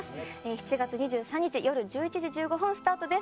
７月２３日よる１１時１５分スタートです。